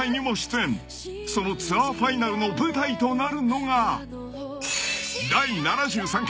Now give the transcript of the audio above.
［そのツアーファイナルの舞台となるのが］